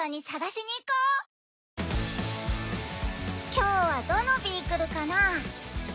今日はどのビークルかな？